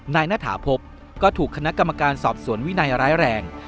ณฐาพบก็ถูกคณะกรรมการสอบสวนวินัยร้ายแรง